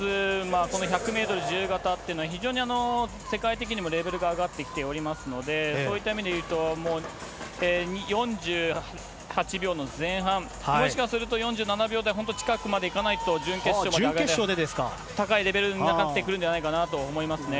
この１００メートル自由形っていうのは、非常に世界的にもレベルが上がってきておりますので、そういった意味でいうと、もう４８秒の前半、もしかすると４７秒台本当近くまでいかないと、準決勝まで、高いレベルにはなってくるんじゃないかと思いますね。